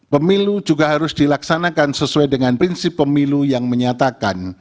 pemilu juga harus dilaksanakan sesuai dengan prinsip pemilu yang menyatakan